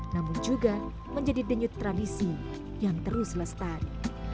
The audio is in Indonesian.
namun juga menjadi denyut tradisi yang terus lestari